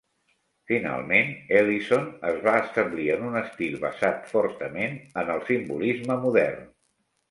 Finalment Ellison es va establir en un estil basat fortament en el simbolisme modern.